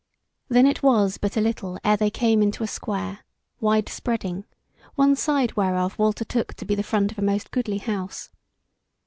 Then it was but a little ere they came into a square, wide spreading, one side whereof Walter took to be the front of a most goodly house.